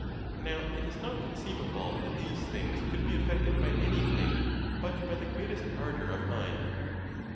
Now, it is not conceivable that these things could be effected by anything but by the greatest ardor of mind.